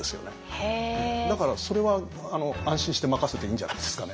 だからそれは安心して任せていいんじゃないですかね。